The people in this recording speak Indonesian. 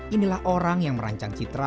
inilah orang yang merancang citra